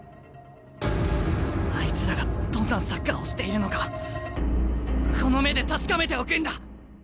あいつらがどんなサッカーをしているのかこの目で確かめておくんだ！